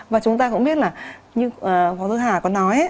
và chúng ta cũng biết là như phó giáo sư hà có nói